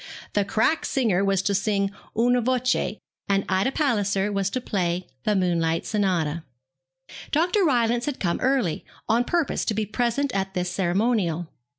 The crack singer was to sing 'Una voce,' and Ida Palliser was to play the 'Moonlight Sonata.' Dr. Rylance had come early, on purpose to be present at this ceremonial.